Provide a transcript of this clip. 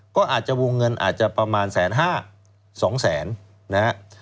ก็วงเงินอาจจะประมาณแสนห้าสองแสน